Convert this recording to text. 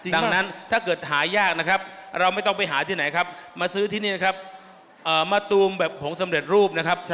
ดังนั้นถ้าเกิดหายากนะครับเราไม่ต้องไปหาที่ไหนครับมาซื้อที่นี่นะครับมะตูมแบบผงสำเร็จรูปนะครับ